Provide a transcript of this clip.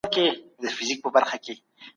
کارخانې څنګه د محصولاتو کیفیت ښه کوي؟